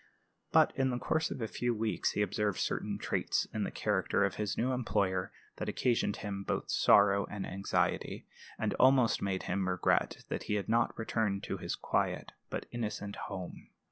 But in the course of a few weeks he observed certain traits in the character of his new employer that occasioned him both sorrow and anxiety, and almost made him regret that he had not returned to his quiet but innocent home.